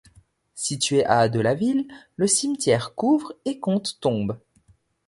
Situé à de la ville, le cimetière couvre et compte tombes.